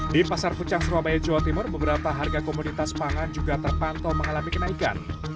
di pasar pucang surabaya jawa timur beberapa harga komoditas pangan juga terpantau mengalami kenaikan